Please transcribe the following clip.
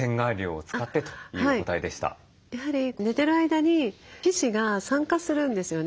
やはり寝てる間に皮脂が酸化するんですよね。